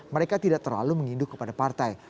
mereka tidak terlalu menginduk kepada partai